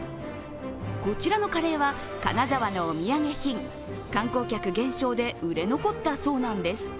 こちらのカレーは、金沢のお土産品観光客減少で売れ残ったそうなんです。